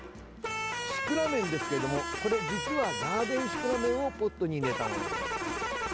シクラメンですけれどもこれ実はガーデンシクラメンをポットに入れたものです。